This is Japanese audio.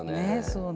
そうね。